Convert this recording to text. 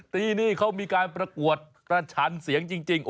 ที่นี่เขามีการประกวดประชันเสียงจริง